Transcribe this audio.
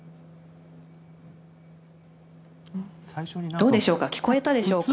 どうでしょうか聞こえたでしょうか。